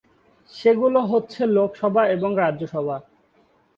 সেগুলো হচ্ছে লোকসভা এবং রাজ্যসভা।